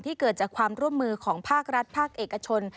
เกิดจากความร่วมมือของภาครัฐภาคเอกชน